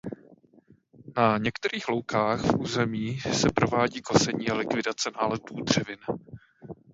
Na některých loukách v území se provádí kosení a likvidace náletů dřevin.